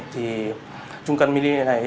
thì trung căn mini này